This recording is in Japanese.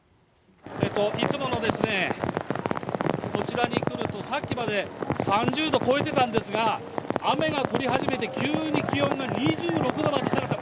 いつものですね、こちらに来ると、さっきまで３０度超えてたんですが、雨が降り始めて急に気温が２６度まで下がった。